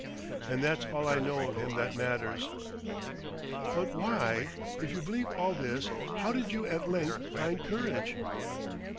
And that's all I know of him that matters." "But why, if you believe all this how did you at length find courage